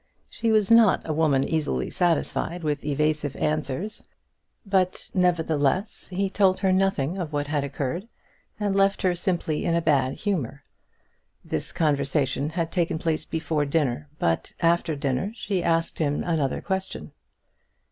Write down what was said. She was not a woman easily satisfied with evasive answers; but, nevertheless, he told her nothing of what had occurred, and left her simply in a bad humour. This conversation had taken place before dinner, but after dinner she asked him another question.